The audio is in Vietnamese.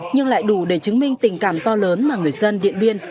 nhưng lại đủ để chứng minh tình cảm to lớn mà người dân điện biên